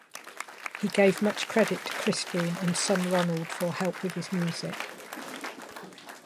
He gave much credit to Christine and son Ronald for help with his music.